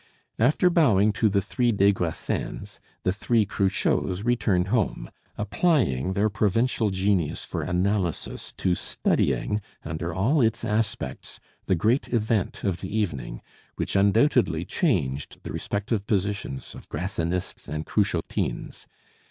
After bowing to the three des Grassins, the three Cruchots returned home, applying their provincial genius for analysis to studying, under all its aspects, the great event of the evening, which undoubtedly changed the respective positions of Grassinists and Cruchotines.